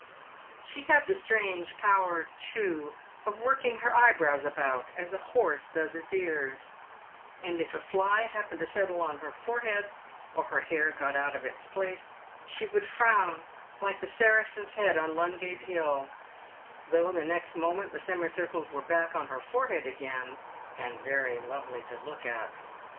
She had the strange power, too, of working her eyebrows about, as a horse does its ears ; and if a fly happened to settle on her forehead, or her hair got out of its place, she would frown like the Saracen's Head on Ludgate hill, though the next moment the semicircles were back on her forehead again, and very lovely to look at.